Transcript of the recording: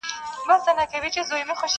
هغو زموږ په مټو یووړ تر منزله.